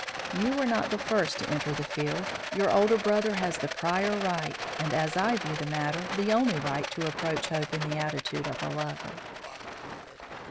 "You were not the first to enter the field. Your older brother has the prior right, and, as I view the matter, the only right, to approach Hope in the attitude of a lover."